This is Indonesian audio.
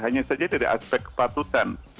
hanya saja dari aspek kepatutan